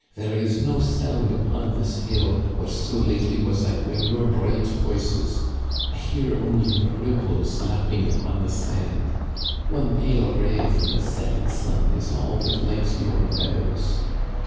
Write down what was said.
There is no sound upon this hill which so lately was echoing your bright voices. I hear only the ripples lapping upon the sand. One pale ray from the setting sun is all that lights your meadows.